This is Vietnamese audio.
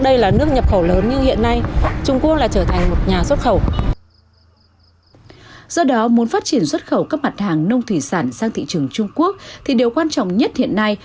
do đó muốn phát triển xuất khẩu các mặt hàng nông thủy sản sang thị trường trung quốc thì điều quan trọng nhất hiện nay